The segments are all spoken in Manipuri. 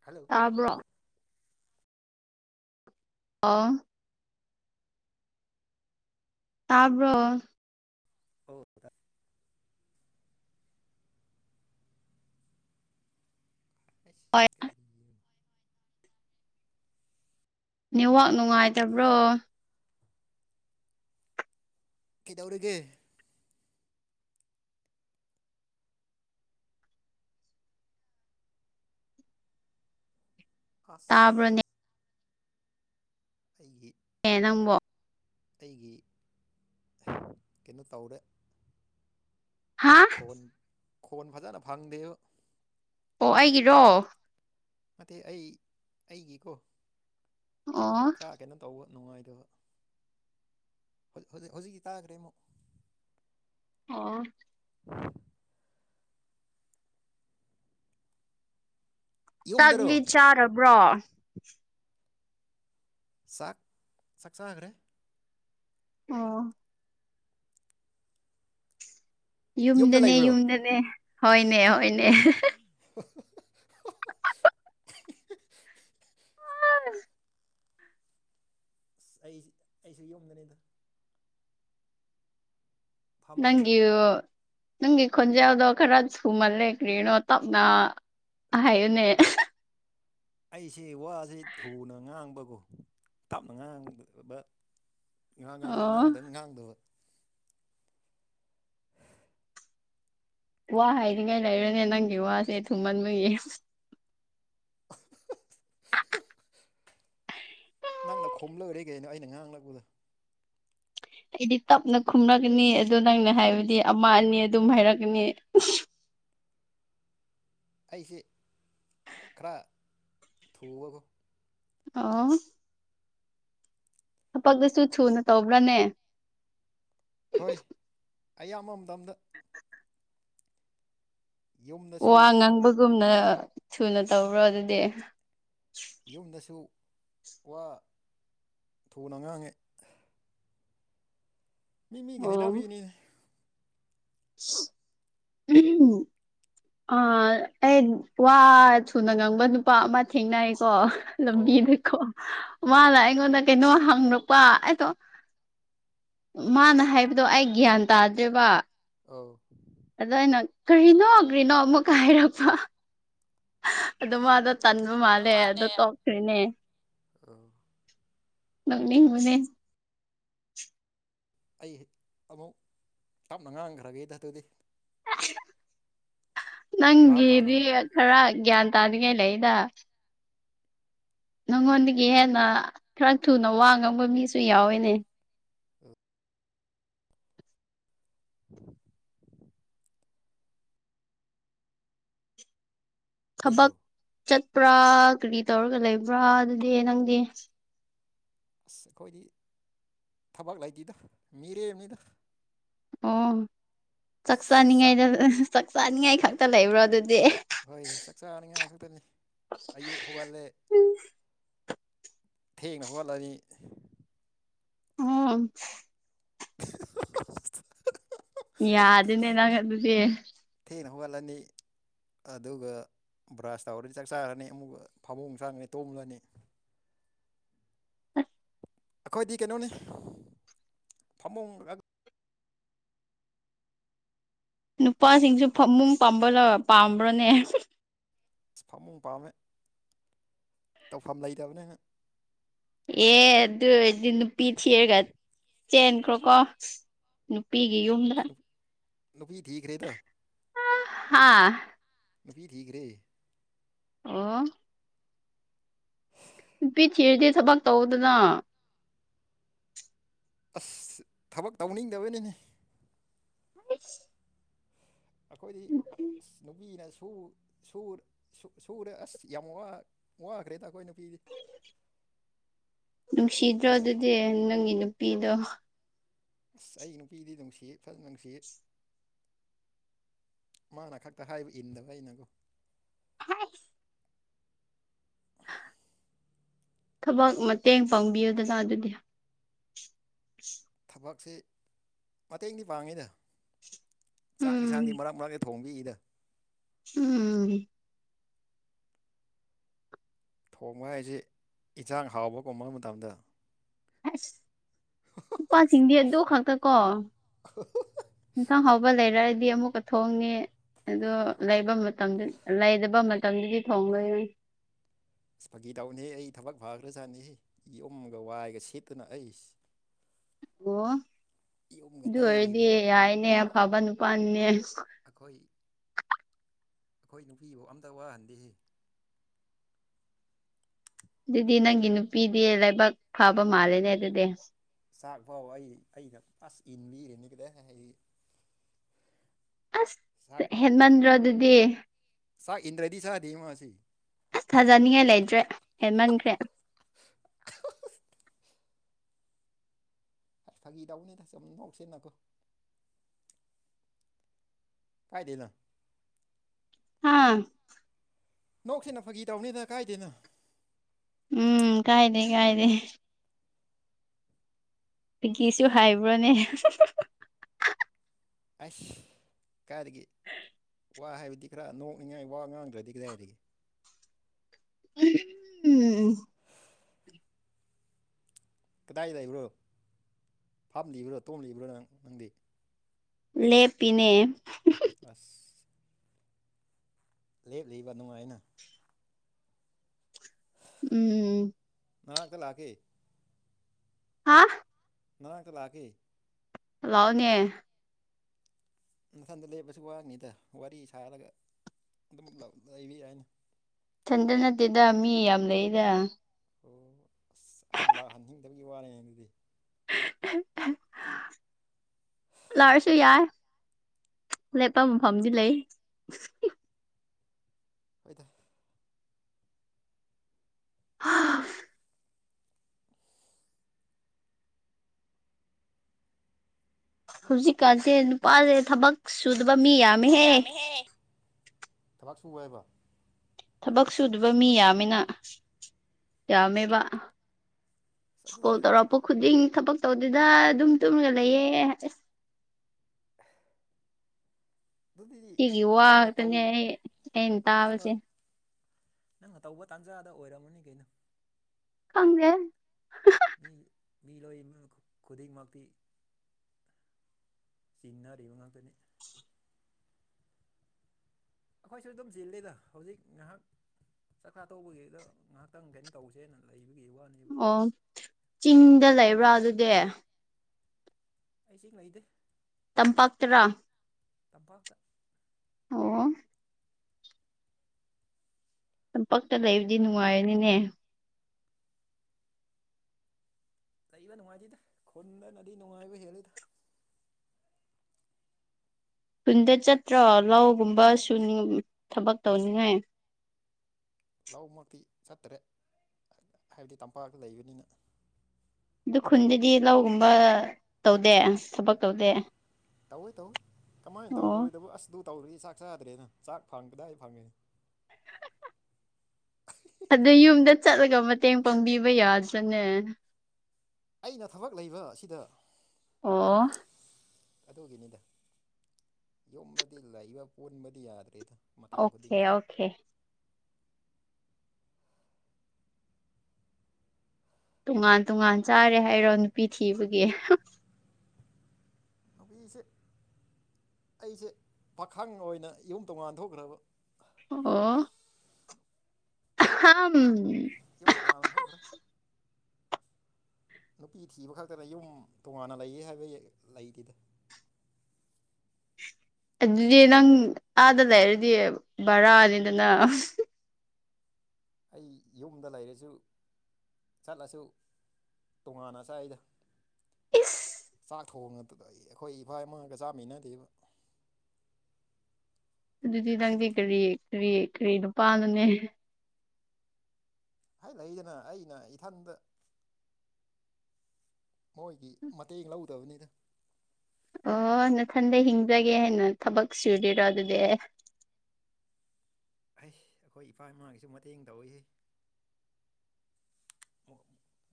ꯍꯜꯂꯣ ꯇꯥꯕ꯭ꯔꯣ ꯑꯥ ꯇꯥꯕꯔꯣ ꯍꯗ [unintelligible] ꯑꯁ ꯍꯣꯏ ꯀꯔꯤ ꯅꯦꯠꯋꯥꯛ ꯅꯨꯡꯉꯥꯏꯇꯕ꯭ꯔꯣ ꯀꯩꯗꯧꯔꯤꯒꯦ ꯍꯣꯏ ꯇꯥꯕ꯭ꯔꯅꯦ ꯑꯩꯒꯤ ꯑꯦ ꯅꯪꯕꯣ ꯑꯩꯒꯤ ꯀꯩꯅꯣ ꯇꯧꯔꯦ ꯍꯥ ꯈꯣꯟ ꯈꯣꯟ ꯐꯖꯅ ꯐꯪꯗꯦ ꯑꯣ ꯑꯩꯒꯤꯔꯣ ꯅꯇꯦ ꯑꯩ ꯑꯩꯒꯤꯀꯣ ꯑꯣ ꯈꯔ ꯀꯩꯅꯣ ꯇꯧꯕ ꯅꯨꯡꯉꯥꯏꯗꯕꯖꯤꯛ ꯍꯧꯖꯤꯛꯀꯤ ꯇꯥꯈ꯭ꯔꯦ ꯑꯃꯨꯛ ꯑꯣ ꯎ ꯌꯨꯝꯗꯔꯣ ꯇꯥꯛꯂꯤ ꯆꯥꯔꯕ꯭ꯔꯣ ꯆꯥꯛ ꯆꯥꯛ ꯆꯥꯈ꯭ꯔꯦ ꯑ ꯌꯨꯝꯗ ꯌꯨꯝꯗꯅꯦ ꯂꯩꯕ꯭ꯔꯣ ꯌꯨꯝꯗꯅꯦ ꯍꯣꯏꯅꯦ ꯍꯣꯏꯅꯦ ꯍꯣ ꯍꯣ ꯎꯝ ꯑꯁ ꯑꯩ ꯑꯩꯁꯨ ꯌꯨꯝꯗꯅꯤꯗ ꯐꯃꯨꯡꯗ ꯅꯪꯒꯤ ꯅꯪꯒꯤ ꯈꯣꯟꯖꯦꯜꯗꯣ ꯈꯔ ꯊꯨꯃꯜꯂꯦ ꯀꯔꯤꯅꯣ ꯇꯞꯅ ꯍꯥꯏꯌꯨꯅꯦ ꯑꯩꯁꯦ ꯋꯥꯁꯤ ꯊꯨꯅ ꯉꯥꯡꯕꯀꯣ ꯇꯞꯅ ꯉꯥꯡꯕ ꯉꯥꯡ ꯉꯥꯡ ꯑꯣ ꯉꯥꯡꯗꯪ ꯉꯥꯡꯗꯕ ꯋꯥ ꯍꯥꯏꯗꯤꯉꯩ ꯂꯩꯔꯨꯅꯦ ꯅꯪꯒꯤ ꯋꯥꯁꯦ ꯊꯨꯃꯟꯕꯒꯤ ꯎꯍꯨ ꯎꯍꯨ ꯅꯪꯅ ꯈꯣꯝꯂꯣꯏꯔꯦ ꯀꯩꯅꯣ ꯑꯩꯅ ꯉꯥꯡꯂꯛꯄꯗꯣ ꯑꯩꯗꯤ ꯇꯞꯅ ꯈꯨꯝꯂꯛꯀꯅꯤ ꯑꯗꯣ ꯅꯪꯅ ꯍꯥꯏꯕꯗꯤ ꯑꯃ ꯑꯅꯤ ꯑꯗꯨꯝ ꯍꯥꯏꯔꯛꯀꯅꯤ ꯑꯩꯁꯦ ꯈꯔ ꯊꯨꯕꯕꯨ ꯑꯣ ꯊꯕꯛꯇꯁꯨ ꯊꯨꯅ ꯇꯧꯕ꯭ꯔꯅꯦ ꯍꯣꯏ ꯑꯌꯥꯝꯕ ꯃꯇꯝꯝꯗ ꯋꯥ ꯌꯨꯝꯗꯁꯨ ꯉꯥꯡꯕꯒꯨꯝꯅ ꯊꯨꯅ ꯇꯧꯔꯣ ꯑꯗꯨꯗꯤ ꯌꯨꯝꯗꯁꯨ ꯋꯥ ꯊꯨꯅ ꯉꯥꯡꯉꯦ ꯃꯤ ꯃꯤꯒꯤ ꯍꯩꯅꯕꯤꯅꯤ ꯎꯝ ꯑꯥ ꯑꯩ ꯋꯥ ꯊꯨꯅ ꯉꯪꯕ ꯅꯨꯄꯥ ꯑꯃ ꯊꯦꯡꯅꯩꯀꯣ ꯑꯣ ꯂꯝꯕꯤꯗꯀꯣ ꯃꯥꯅ ꯑꯩꯉꯣꯟꯗ ꯀꯩꯅꯣ ꯍꯪꯗꯛꯄ ꯑꯩꯗꯣ ꯃꯥꯅ ꯍꯥꯏꯕꯗꯣ ꯑꯩ ꯒ꯭ꯌꯥꯟ ꯇꯥꯗ꯭ꯔꯦꯕ ꯑꯥꯎ ꯑꯗꯨꯗ ꯑꯩꯅ ꯀꯔꯤꯅꯣ ꯀꯔꯤꯅꯣ ꯑꯃꯨꯛꯀ ꯍꯥꯏꯔꯕ ꯑꯗꯨ ꯃꯥꯗꯣ ꯆꯟꯕ ꯃꯥꯜꯂꯦ ꯑꯗꯨꯗ ꯇꯣꯛꯈ꯭ꯔꯤꯅꯦ ꯑꯧ ꯅꯪꯅꯤ ꯃꯅꯦ ꯑꯩ ꯑꯃꯨꯛ ꯇꯞꯅ ꯉꯥꯡꯈ꯭ꯔꯒꯦꯗ ꯑꯗꯨꯗꯤ ꯚꯥꯞ ꯅꯪꯒꯤꯗꯤ ꯇꯥꯅꯕ ꯈꯔ ꯒ꯭ꯌꯥꯟ ꯇꯥꯅꯤꯡꯉꯥꯏ ꯂꯩꯗ ꯅꯪꯉꯣꯟꯗꯒꯤ ꯍꯦꯟꯅ ꯈꯔ ꯊꯨꯅ ꯋꯥ ꯉꯥꯡꯕ ꯃꯤꯁꯨ ꯌꯥꯎꯋꯤꯅꯦ [unintelligible] ꯊꯕꯛ ꯂꯩꯕ꯭ꯔꯣ ꯆꯠꯄ꯭ꯔꯥ ꯀꯔꯤ ꯇꯧꯔꯒ ꯂꯩꯕ꯭ꯔꯥ ꯑꯗꯨꯗꯤ ꯅꯪꯗꯤ ꯑꯁ ꯑꯩꯈꯣꯏꯗꯤ ꯊꯕꯛ ꯂꯩꯇꯦꯗ ꯃꯤꯔꯦꯝꯅꯤꯗ ꯑꯣ ꯆꯥꯛ ꯆꯥꯛ ꯆꯥꯅꯤꯉꯥꯏꯗ ꯆꯥꯛ ꯆꯥꯅꯤꯡꯉꯥꯏ ꯈꯛꯇ ꯂꯩꯕ꯭ꯔꯣ ꯑꯗꯨꯗꯤ ꯍꯣꯏ ꯆꯥꯛ ꯆꯥꯅꯤꯡꯉꯥꯏ ꯈꯛꯇꯅꯤ ꯑꯌꯨꯛ ꯍꯧꯒꯠꯂꯦ ꯊꯦꯡꯅ ꯍꯠꯂꯗꯤ ꯑ ꯌꯥꯗꯦꯅꯦ ꯅꯪ ꯑꯗꯨꯗꯤ ꯊꯦꯡꯅ ꯍꯧꯒꯠꯂꯅꯤ ꯑꯗꯨꯒ ꯕ꯭ꯔꯥꯁ ꯇꯧꯔꯗꯤ ꯆꯥꯛ ꯆꯥꯔꯅꯤ ꯑꯃꯨꯛꯀ ꯐꯃꯣꯡ ꯆꯥꯉꯅꯤ ꯇꯣꯝꯂꯅꯤ ꯑꯩꯈꯣꯏꯗꯤ ꯀꯩꯅꯣꯅꯤ ꯐꯃꯨꯡ ꯅꯨꯄꯥꯁꯤꯡꯁꯨ ꯐꯃꯨꯡ ꯄꯥꯝꯕ ꯄꯥꯝꯕ꯭ꯔꯅꯦ ꯑꯁ ꯐꯃꯨꯡ ꯄꯥꯝꯃꯦ ꯇꯧꯐꯝ ꯂꯩꯇꯕꯅꯦ ꯑꯦ ꯑꯗꯨ ꯑꯣꯏꯔꯗꯤ ꯅꯨꯄꯤ ꯊꯤꯔꯒ ꯆꯦꯟꯈ꯭ꯔꯣꯀꯣ ꯅꯨꯄꯤꯤꯒꯤ ꯌꯝꯗ ꯑꯁ ꯅꯨꯄꯤ ꯊꯤꯀ ꯔꯦꯗ ꯍꯥꯥ ꯃꯄꯤ ꯊꯤꯘ꯭ꯔꯦ ꯑꯣ [inaudible] ꯅꯨꯄꯤ ꯊꯤꯔꯗꯤ ꯊꯕꯛ ꯇꯧꯗꯅ ꯑꯁ ꯊꯕꯛ ꯇꯧꯅꯤꯡꯗꯕꯅꯤꯅꯦ ꯑ ꯑꯩꯈꯣꯏꯗꯤ ꯅꯨꯄꯤꯅ ꯁꯨ ꯁꯨꯔꯦ ꯑꯁ ꯌꯥꯝ ꯋꯥꯈ꯭ꯔꯦꯗ ꯑꯩꯈꯣꯏ ꯅꯨꯄꯤꯗꯤ ꯅꯨꯡꯁꯤꯗ꯭ꯔꯣ ꯑꯩꯅ ꯐ ꯑꯗꯨꯗꯤ ꯅꯪꯒꯤ ꯅꯨꯄꯤꯗꯣ ꯑꯁ ꯑꯩꯒꯤ ꯅꯨꯄꯤꯗꯤ ꯅꯨꯡꯁꯤ ꯐꯖꯅ ꯅꯨꯡꯁꯤ ꯃꯥꯅ ꯈꯛꯇ ꯍꯥꯏꯕ ꯏꯟꯗꯕ ꯑꯩꯅꯒꯣ ꯍꯥꯏ ꯊꯕꯛ ꯃꯇꯦꯡ ꯄꯥꯡꯕꯤꯌꯨꯗꯖꯥ ꯑꯗꯨꯗꯤ [inaudible] ꯊꯕꯛꯁꯤ ꯃꯇꯦꯡꯗꯤ ꯄꯥꯡꯉꯤꯅ ꯆꯥꯛ ꯎꯝ ꯏꯟꯁꯥꯡꯒꯤ ꯃꯔꯛ ꯃꯔꯛꯇ ꯊꯣꯡꯕꯤꯏꯗ ꯎꯝ ꯊꯣꯡꯕ ꯍꯥꯏꯁꯤꯦ ꯏꯟꯖꯥꯡ ꯍꯥꯎꯕ ꯀꯨꯝꯕ ꯃꯇꯝꯗ ꯑꯁ ꯅꯨꯄꯥꯁꯤꯡꯗꯤ ꯑꯗꯨ ꯈꯥꯛꯛꯇ ꯀꯣ ꯌꯦꯟꯁꯥꯡ ꯍꯥꯎꯕ ꯂꯩꯔꯑꯗꯤ ꯑꯃꯨꯛꯀ ꯊꯣꯡꯉꯦ ꯑꯣ ꯂꯩꯕ ꯃꯇꯝ ꯂꯩꯗꯕ ꯃꯇꯝꯗꯨꯗꯤ ꯊꯣꯡ ꯂꯩꯣꯏꯔꯨꯏ ꯑꯁ ꯐꯥꯒꯤ ꯇꯧꯅꯤꯍ ꯑꯩ ꯊꯕꯛ ꯐꯥꯈ꯭ꯔꯖꯥꯠꯅꯤꯍ ꯌꯨꯝꯒ ꯋꯥꯏꯒ ꯁꯦꯠꯇꯨꯅ ꯑꯩꯁ ꯑꯣ ꯌꯨꯝꯒ ꯑꯗꯨ ꯑꯣꯏꯔꯗꯤ ꯇꯩꯔꯤꯕꯅꯤ ꯌꯥꯏꯅꯦ ꯑꯐꯕ ꯅꯨꯄꯥꯅꯤꯅꯦ ꯑꯩꯈꯣꯏ ꯑꯩꯈꯣꯏ ꯅꯨꯄꯤꯐꯧ ꯑꯝꯇ ꯋꯥꯍꯟꯗꯦꯁꯤ ꯑꯗꯨꯗꯤ ꯅꯪꯒꯤ ꯅꯨꯄꯤꯗꯤ ꯂꯩꯕꯥꯛ ꯐꯥꯕ ꯃꯥꯜꯂꯦꯅꯦ ꯑꯗꯨꯗꯤ ꯆꯥꯛꯐꯥꯎ ꯑꯩ ꯑꯩꯒ ꯑꯁ ꯏꯟꯕꯤꯔꯦꯅꯤꯒꯗ ꯑꯁ ꯍꯦꯟꯃꯟ꯭ꯔꯣ ꯑꯗꯨꯗꯤ ꯁꯥ ꯏꯟ꯭ꯔꯖꯤ ꯁꯥ ꯗꯦꯃꯁꯤ ꯑꯁ ꯊꯥꯖꯅꯤꯡꯉꯥꯏ ꯂꯩꯇ꯭ꯔꯦ ꯍꯦꯟꯃꯟꯈ꯭ꯔꯦ ꯐꯥ ꯐꯥꯒꯤꯗꯎꯅꯦ ꯊꯥꯖ ꯑꯃꯅꯕꯎꯁꯦꯅꯪꯣ ꯀꯥꯏꯗꯅ ꯍꯥꯥ ꯅꯣꯛꯁꯤꯦꯟꯅ ꯐꯥꯒꯤ ꯇꯧꯅꯤꯅ ꯀꯥꯏꯗꯦꯅ ꯎꯝ ꯀꯥꯏꯗꯦ ꯀꯥꯏꯗꯦ ꯄꯤꯒꯤꯁꯨ ꯍꯥꯏꯕ꯭ꯔꯣꯅꯦ ꯑꯁ ꯀꯥꯏꯗꯒꯤ ꯋꯥ ꯍꯥꯏꯕꯗꯤ ꯈꯔ ꯅꯣꯛꯅꯤꯡꯉꯥꯏ ꯋꯥ ꯉꯥꯡꯗ꯭ꯔꯗꯤ ꯀꯗꯥꯏꯔꯤꯒꯦ ꯎꯝ ꯎꯝ ꯀꯗꯥꯏꯗ ꯂꯩꯕ꯭ꯔꯣ ꯐꯥꯝ ꯂꯤꯕ꯭ꯔꯣ ꯇꯣꯝ ꯂꯤꯕ꯭ꯔꯣ ꯅꯪ ꯅꯪꯗꯤ ꯂꯦꯞꯄꯤꯅꯦ ꯑꯁ ꯂꯦꯞꯂꯤꯕ ꯅꯨꯡꯉꯥꯏꯅ ꯎꯝ ꯅꯅꯥꯛꯇ ꯂꯥꯛꯀꯦ ꯍꯥꯥ ꯅꯅꯥꯥꯡꯇ ꯂꯥꯛꯀꯦ ꯂꯥꯛꯑꯣꯅꯦ ꯅꯊꯟꯗ ꯂꯩꯕꯁꯨ ꯋꯥꯅꯤꯗ ꯋꯥꯔꯤ ꯁꯥꯔꯒ ꯑꯗꯨꯝ ꯂꯥꯛ ꯂꯩꯕ ꯌꯥꯏꯅꯦ ꯏꯊꯟꯗ ꯅꯠꯇꯦꯗ ꯃꯤ ꯌꯥꯝ ꯂꯩꯑꯦꯗ ꯑꯣ ꯑꯁ ꯑꯩꯕꯨ ꯂꯥꯛꯍꯟꯅꯤꯡꯗꯕꯒꯤ ꯋꯥꯅꯤꯅꯦ ꯑꯗꯨꯗꯤ [unintelligible] ꯂꯥꯛꯔꯁꯨ ꯌꯥꯏ ꯂꯦꯞꯄ ꯃꯐꯝꯗꯤ ꯂꯩ ꯍꯣꯏꯗ ꯍꯧꯖꯤꯛꯀꯥꯟꯁꯦ ꯅꯨꯄꯥꯁꯦ ꯊꯕꯛ ꯁꯨꯗꯕ ꯃꯤ ꯌꯥꯝ__ ꯌꯥꯝꯃꯦꯍꯦ ꯊꯕꯛ ꯁꯨꯕ ꯍꯥꯏꯕ ꯊꯕꯛ ꯁꯨꯗꯕ ꯃꯤ ꯌꯥꯝꯃꯤꯅꯥ ꯌꯥꯝꯃꯦꯕ ꯑꯁ ꯑꯗꯨꯗꯨ ꯀꯣꯜ ꯇꯧꯔꯛꯄ ꯈꯨꯗꯤꯡ ꯊꯕꯛ ꯇꯧꯗꯦꯗ ꯑꯗꯨꯝ ꯇꯨꯝꯔꯒ ꯂꯩꯌꯦ ꯍꯥꯏꯌꯦ ꯑꯦꯍ ꯑꯗꯨꯗꯤ ꯁꯤꯒꯤ ꯋꯥ ꯅꯪꯅ ꯇꯧ ꯈꯛꯇꯅꯦ ꯑꯩ ꯑꯩꯅ ꯅꯪꯅ ꯇꯥꯕꯁꯦ ꯅꯪꯅ ꯇꯧꯕ ꯇꯥꯟꯖꯥꯗ ꯑꯣꯏꯔꯝꯃꯅꯤ ꯀꯩꯅꯣ ꯈꯪꯗꯦ ꯃꯤ ꯃꯤ ꯂꯣꯏꯃꯅ ꯈꯨ ꯈꯨꯨꯗꯤꯡꯃꯛꯇꯤ ꯆꯤꯟꯅꯔꯤꯕ ꯉꯥꯛꯇꯅꯤ ꯑꯩꯈꯣꯏꯁꯨ ꯑꯗꯨꯝ ꯆꯤꯜꯂꯤꯗ ꯍꯧꯖꯤꯛ ꯉꯥꯏꯍꯥꯛ ꯆꯥꯛꯆꯥ ꯇꯣꯛꯄꯒꯤ ꯑꯗꯨꯝ ꯉꯥꯏꯍꯥꯛꯇꯪ ꯀꯩꯅꯣ ꯇꯧꯁꯦꯅ ꯂꯩꯕꯒꯤ ꯋꯥꯅꯦꯕ ꯑꯣ ꯆꯤꯡꯗ ꯂꯩꯕ꯭ꯔꯥ ꯑꯗꯨꯗꯤ ꯑꯩ ꯆꯤꯡ ꯂꯩꯇꯦ ꯇꯝꯄꯥꯛ ꯇꯔꯥ ꯇꯝꯄꯥꯛꯇ ꯑꯣ ꯇꯝꯄꯥꯛꯇ ꯂꯩꯕꯗꯤ ꯅꯨꯡꯉꯥꯏꯔꯅꯤꯅꯦ ꯂꯩꯕ ꯅꯨꯡꯉꯥꯏꯇꯦꯗ ꯈꯨꯟꯗꯅꯗꯤ ꯅꯨꯡꯉꯥꯏꯕ ꯍꯦꯜꯂꯦꯗ ꯈꯨꯟꯗ ꯆꯠꯇ꯭ꯔꯣ ꯂꯧꯒꯨꯝꯕ ꯁꯨꯅꯤꯡ ꯊꯕꯛ ꯇꯧꯅꯤꯡꯉꯥꯏ ꯂꯧꯃꯛꯇꯤ ꯆꯠꯇꯔꯦ ꯍꯥꯏꯗ ꯍꯥꯏꯕꯗꯤ ꯇꯝꯄꯥꯛꯇ ꯂꯩꯕꯅꯤꯅ ꯑꯗꯨ ꯈꯨꯟꯗꯗꯤ ꯂꯧꯒꯨꯝꯕ ꯇꯧꯗꯦ ꯊꯕꯛ ꯇꯧꯗꯦ ꯇꯧꯋꯤ ꯇꯧꯋꯤ ꯀꯃꯥꯏꯅ ꯑꯣ ꯇꯧꯔꯣꯏꯗꯕꯣ ꯑꯁ ꯑꯗꯨ ꯇꯧꯗ꯭ꯔꯗꯤ ꯆꯥꯛ ꯆꯥꯗ꯭ꯔꯦꯅ ꯆꯥꯛ ꯐꯪ ꯀꯗꯥꯏ ꯐꯪꯉꯅꯤ ꯑꯗꯨ ꯌꯨꯝꯗ ꯆꯠꯂꯒ ꯃꯇꯦꯡ ꯄꯥꯡꯕꯤꯕ ꯌꯥꯗ꯭ꯔꯅꯦ ꯑꯩꯅ ꯊꯕꯛ ꯂꯩꯕ ꯑꯁꯤꯗ ꯑꯣ ꯑꯗꯨꯒꯤꯅꯤꯗ ꯌꯨꯝꯗꯗꯤ ꯂꯩꯕ ꯄꯨꯟꯕꯗꯤ ꯌꯥꯗ꯭ꯔꯦꯗ ꯃꯇꯝ ꯑꯣꯀꯦ ꯈꯨꯗꯤꯡꯒꯤ ꯑꯣꯀꯦ ꯇꯣꯉꯥꯟ ꯇꯣꯉꯥꯟ ꯆꯥꯔꯦ ꯍꯥꯏꯔꯣ ꯅꯨꯄꯤ ꯊꯤꯕꯒꯤ [unintelligible] ꯅꯨꯄꯤꯁꯦ ꯑꯩꯁꯦ ꯄꯥꯈꯪ ꯑꯣꯏꯅ ꯌꯨꯝ ꯇꯣꯡꯉꯥꯟ ꯊꯣꯛꯈ꯭ꯔꯕ ꯑꯣ [unintelligible] ꯌꯨꯝ ꯇꯉꯥꯟꯅ ꯑꯣꯟ ꯊꯣꯛꯈ꯭ꯔꯦ ꯅꯨꯄꯤ ꯊꯤꯕ ꯈꯛꯇꯅ ꯌꯨꯝ ꯇꯣꯉꯥꯟꯅ ꯂꯩꯌꯦ ꯍꯥꯏꯕꯒꯤ ꯂꯩꯇꯦꯗ ꯑꯗꯨꯗꯤ ꯅꯪ ꯑꯥꯗ ꯂꯩꯔꯗꯤ ꯚꯔꯥ ꯅꯤꯗꯅ ꯑꯩ ꯌꯨꯝꯗ ꯂꯩꯔꯁꯨ ꯆꯠꯂꯁꯨ ꯇꯣꯉꯥꯟꯅ ꯆꯥꯏꯗ ꯏꯁ ꯆꯥꯛ ꯊꯣꯡ ꯉꯇꯗ ꯑꯩ ꯑꯩꯈꯣꯏ ꯏꯕꯥꯏ ꯑꯃꯒ ꯆꯥꯃꯤꯟꯅꯗꯦꯕ ꯑꯗꯨꯗꯤ ꯅꯪꯗꯤ ꯀꯔꯤ ꯀꯔꯤ ꯀꯔꯤ ꯅꯨꯄꯥꯅꯅꯦ ꯍꯥꯏ ꯂꯩꯗꯅ ꯑꯩꯅ ꯏꯊꯟꯇ ꯃꯣꯏꯒꯤ ꯃꯇꯦꯡ ꯂꯧꯗꯕꯅꯤꯗ ꯑꯣ ꯅꯊꯟꯗ ꯍꯤꯡꯖꯒꯦ ꯍꯥꯏꯅ ꯊꯕꯛ ꯁꯨꯔꯤꯔꯣ ꯑꯗꯨꯗꯤ ꯍꯩ ꯑꯩꯈꯣꯏ ꯏꯄꯥ ꯏꯃꯥꯡꯒꯤꯁꯨ ꯃꯇꯦꯡ ꯇꯧꯏꯍꯦ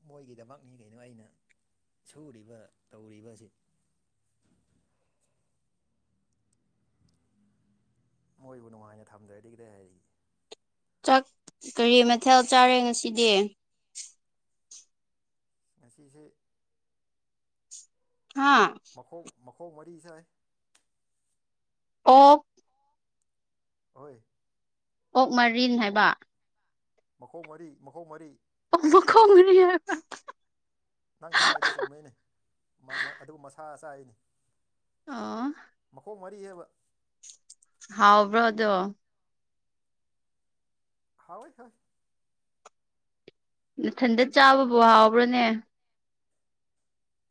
ꯃꯣꯏꯒꯤꯗꯃꯛꯅꯤ ꯀꯩꯅꯣ ꯑꯩꯅ ꯁꯨꯔꯤꯕ ꯇꯧꯔꯤꯕꯁꯤ ꯃꯣꯏꯕꯨ ꯅꯨꯡꯉꯥꯏꯅ ꯊꯝꯗꯔꯗꯤ ꯀꯗꯥꯏ ꯆꯥꯛ ꯀꯔꯤ ꯃꯊꯦꯜ ꯆꯥꯔꯦ ꯉꯁꯤꯗꯤ ꯉꯁꯤꯁꯦ ꯍꯥꯥ ꯃꯈꯣꯡ ꯃꯈꯣꯡ ꯃꯔꯤ ꯆꯥꯏ ꯑꯣ ꯍꯣꯏ ꯑꯣꯛ ꯃꯔꯤꯟ ꯍꯥꯏꯕ ꯃꯈꯣꯡ ꯃꯔꯤ ꯃꯈꯣꯡ ꯃꯔꯤ ꯑꯣꯛ ꯃꯈꯣꯡ ꯃꯔꯤ ꯍꯥꯏꯕ ꯅꯪ ꯅ ꯍꯥꯏꯕꯗ ꯆꯣꯡꯅꯩꯅꯦ ꯑꯗꯨꯒ ꯃꯁꯥ ꯑꯆꯥꯥꯏꯅꯤ ꯑꯣ ꯃꯈꯣꯡ ꯃꯔꯤ ꯍꯥꯏꯕ ꯍꯥꯎꯕ꯭ꯔꯣꯗꯣ ꯍꯥꯎꯣꯏ ꯍꯣꯏ ꯃꯊꯟꯗ ꯆꯥꯕꯕꯨ ꯍꯥꯎꯕ꯭ꯔꯣꯅꯦ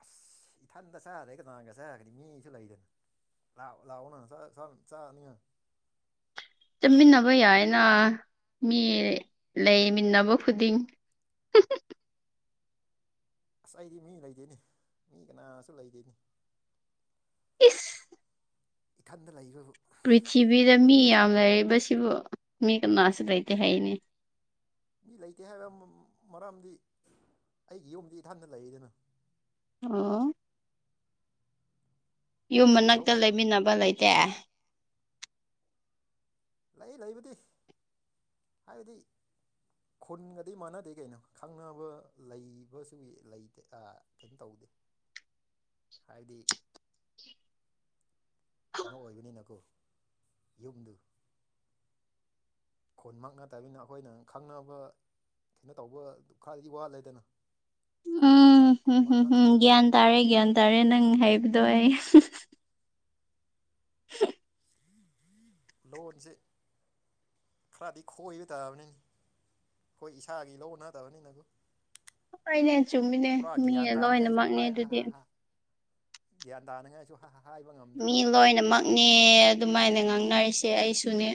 ꯑꯁ ꯏꯊꯟꯗ ꯆꯥ ꯑꯗꯩ ꯀꯅꯥꯡꯒ ꯆꯥꯔꯒꯗꯤ ꯃꯤꯁꯨ ꯂꯩꯗꯅ ꯂꯥꯎ ꯂꯥꯛꯥꯎꯎꯅ ꯁꯥ ꯁꯔ ꯆꯥ ꯅꯤꯡꯉ ꯆꯠꯃꯤꯟꯅꯕ ꯌꯥꯏꯅ ꯃꯤ ꯂꯩꯃꯤꯟꯅꯕ ꯈꯨꯗꯤꯡ ꯍ ꯑꯁ ꯑꯩꯗꯤ ꯃꯤ ꯂꯩꯗꯣꯏꯅꯤ ꯃꯤ ꯀꯅꯥꯁꯨ ꯂꯩꯗꯣꯏꯅꯤ ꯏꯁ ꯏꯊꯟꯗ ꯂꯩꯕꯕꯨ ꯄ꯭ꯔꯤꯊꯤꯕꯤꯗ ꯃꯤ ꯌꯥꯝ ꯂꯩꯔꯤꯕꯁꯤꯕꯨ ꯃꯤ ꯀꯅꯥꯁꯨ ꯂꯩꯇꯦ ꯍꯥꯏꯅꯦ ꯃꯤ ꯂꯩꯇꯦ ꯍꯥꯏꯕ ꯃꯔꯝꯗꯤ ꯑꯩꯒꯤ ꯌꯨꯝꯗꯤ ꯏꯊꯟꯗ ꯂꯩꯔꯤꯗꯅ ꯑꯣ ꯌꯨꯝ ꯃꯔꯨꯞ ꯃꯅꯥꯛꯇ ꯃꯄꯥꯡ ꯂꯩꯃꯤꯟꯅꯕ ꯂꯩꯇꯦ ꯂꯩ ꯂꯩꯕꯨꯗꯤ ꯍꯥꯏꯕꯗꯤ ꯈꯨꯟꯒꯗꯤ ꯃꯥꯟꯅꯗꯦ ꯀꯩꯅꯣ ꯈꯪꯅꯕ ꯂꯩꯕꯁꯨ ꯂꯩꯇꯦ ꯑ ꯀꯩꯅꯣ ꯇꯧꯗꯦ [unintelligible] ꯍꯥꯏꯕꯗꯤ ꯀꯩꯅꯣ ꯑꯣꯏꯕꯅꯤꯅꯀꯣ ꯌꯨꯝꯗꯨ ꯈꯨꯟꯃꯛ ꯅꯠꯇꯕꯅꯤꯅ ꯑꯩꯈꯣꯏꯅ ꯈꯪꯅꯕ ꯀꯩꯅꯣ ꯇꯧꯕ ꯈꯔꯗꯤ ꯋꯥꯠꯂꯦꯗꯅ ꯈꯨꯟꯃꯛꯀ ꯎꯝ ꯍꯝ ꯈꯨꯟꯃꯛ ꯍꯝ ꯍꯝ ꯉꯠꯇꯕꯒꯗꯤ ꯒ꯭ꯌꯥꯟ ꯇꯥꯔꯦ ꯒ꯭ꯌꯥꯟ ꯇꯥꯔꯦ ꯅꯪ ꯍꯥꯏꯕꯗꯣ ꯑꯩ ꯂꯣꯟꯁꯦ ꯈꯔꯗꯤ ꯈꯣꯏꯕ ꯇꯥꯕꯅꯤꯅꯦ ꯈꯣꯏ ꯏꯁꯥꯒꯤ ꯂꯣꯟ ꯅꯠꯇꯕꯅꯤꯅ ꯀꯣ ꯍꯣꯏꯅꯦ ꯆꯨꯝꯃꯤꯅꯦ ꯄꯨꯔꯥ ꯃꯤ ꯒ꯭ꯌꯥꯟ ꯇꯥꯅꯤꯡꯉꯥꯏꯁꯨ ꯂꯣꯏꯅꯃꯛꯅꯦ ꯍꯥꯥꯏ ꯍ ꯑꯗꯨꯗꯤ ꯍ ꯍ ꯒ꯭ꯌꯥꯟ ꯇꯥꯅꯤꯡꯉꯥꯏꯁꯨ ꯍ ꯍ ꯍꯥꯏꯕ ꯉꯝ ꯃꯤ ꯂꯣꯏꯅꯃꯛꯅꯦ ꯑꯗꯨꯃꯥꯏꯅ ꯉꯥꯡꯅꯔꯤꯁꯦ ꯑꯩꯁꯨꯅꯦ